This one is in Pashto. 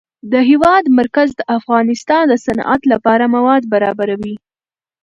د هېواد مرکز د افغانستان د صنعت لپاره مواد برابروي.